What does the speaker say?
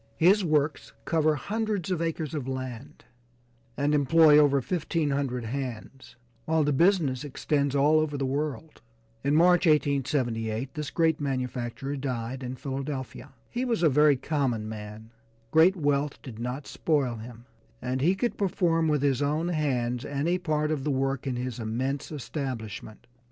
His works cover hundreds of acres of land, and employ over fifteen hundred hands, while the business extends all over the world. In March, 1878, this great manufacturer died in Philadelphia. He was a very common man great wealth did not spoil him, and he could perform with his own hands any part of the work in his immense establishment.